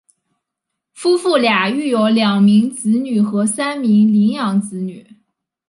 夫妇俩育有两名子女和三名领养子女。